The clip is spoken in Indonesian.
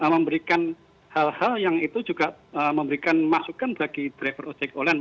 memberikan hal hal yang itu juga memberikan masukan bagi driver ojek online